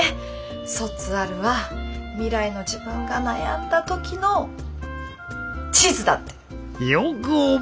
卒アルは未来の自分が悩んだ時の地図だって。